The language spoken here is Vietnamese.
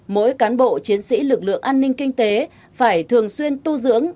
mỗi cán bộ chiến sĩ lực lượng an ninh kinh tế phải thường xuyên tu dưỡng